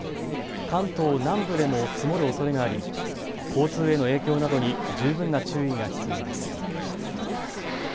関東南部でも積もるおそれがあり交通への影響などに十分な注意が必要です。